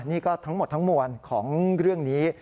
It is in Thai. นี่ก็ทั้งหมดทั้งมวลของเรื่องนี้